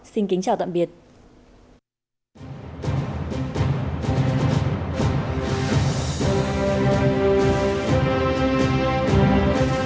xin chào và hẹn gặp lại